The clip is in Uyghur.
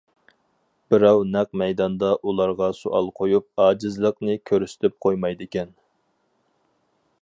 بىراۋ نەق مەيداندا ئۇلارغا سوئال قويۇپ ئاجىزلىقنى كۆرسىتىپ قويمايدىكەن.